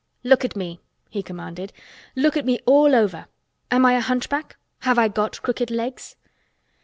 "Look at me!" he commanded. "Look at me all over! Am I a hunchback? Have I got crooked legs?"